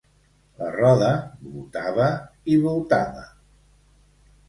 La roda voltava i voltava.